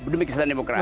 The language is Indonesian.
demi kesehatan demokrasi